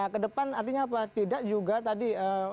ke depan artinya apa tidak juga tadi